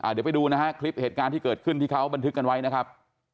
เดี๋ยวไปดูนะฮะคลิปเหตุการณ์ที่เกิดขึ้นที่เขาบันทึกกันไว้นะครับ